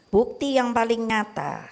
bukti yang paling nyata